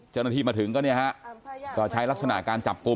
เจ้าหน้าที่มาถึงก็เอาลักษณะการจับกลม